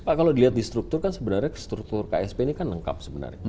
pak kalau dilihat di struktur kan sebenarnya struktur ksp ini kan lengkap sebenarnya